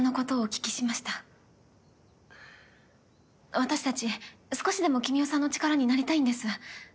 私たち少しでも君雄さんの力になりたいんです。